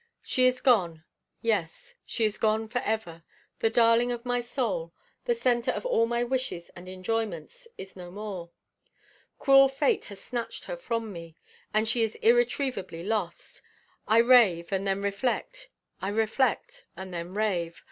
She is gone; yes, she is gone forever. The darling of my soul, the centre of all my wishes and enjoyments, is no more. Cruel fate has snatched her from me, and she is irretrievably lost. I rave, and then reflect; I reflect, and then rave.